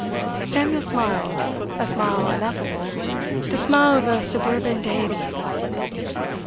Samuel smiled. A smile ineffable. The smile of a suburban deity.